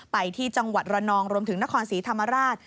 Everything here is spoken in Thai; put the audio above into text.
ไปที่จังหวัดระนองรวมถึงนครศรีธรรมราช